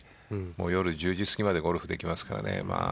夜１０時過ぎまでゴルフができますからね。